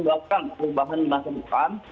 melakukan perubahan di masa depan